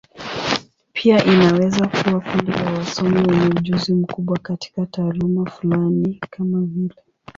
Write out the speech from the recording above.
Pia inaweza kuwa kundi la wasomi wenye ujuzi mkubwa katika taaluma fulani, kama vile.